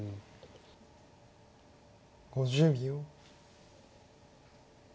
５０秒。